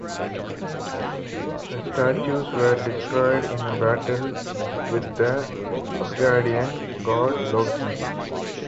The statues were destroyed in a battle with the Asgardian god, Loki.